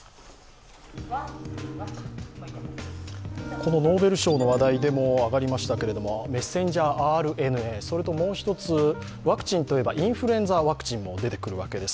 このノーベル賞の話題でも上がりましたけれどもメッセンジャーＲＮＡ、それともう１つ、ワクチンといえばインフルエンザワクチンが出てくるわけです